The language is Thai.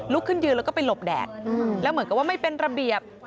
ขึ้นยืนแล้วก็ไปหลบแดดแล้วเหมือนกับว่าไม่เป็นระเบียบ